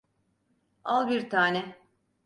Al bir tane.